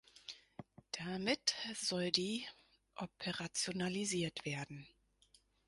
Damit soll die operationalisiert werden.